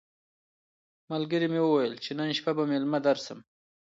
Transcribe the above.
ملګري مي وویل چي نن شپه به مېلمه درسم.